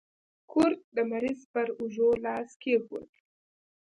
کرت د مریض پر اوږو لاس کېښود.